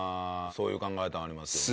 そういう考え方ありますよね。